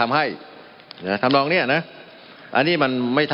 มันมีมาต่อเนื่องมีเหตุการณ์ที่ไม่เคยเกิดขึ้น